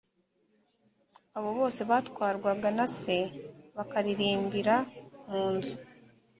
abo bose batwarwaga na se bakaririmbira mu nzu